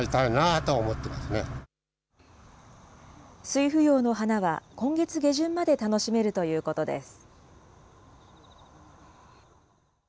酔芙蓉の花は今月下旬まで楽しめるということです。